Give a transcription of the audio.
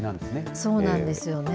そうなんですよね。